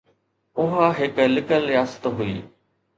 اُها هڪ لڪل رياست هئي.